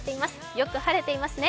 よく晴れていますね。